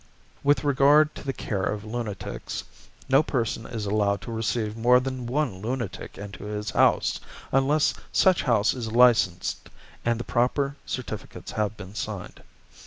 With regard to the care of lunatics, no person is allowed to receive more than one lunatic into his house unless such house is licensed and the proper certificates have been signed.